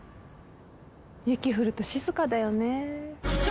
「雪降ると静かだよね」